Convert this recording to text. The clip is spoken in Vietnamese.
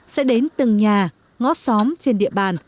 sẽ đến từng nhà ngó xóm trên địa bàn